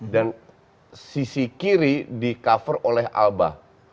dan sisi kiri di cover oleh alba